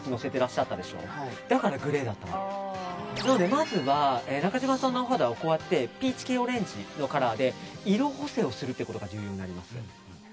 まずは中島さんのお肌をピーチ系オレンジのカラーで色補正をすることが重要になります。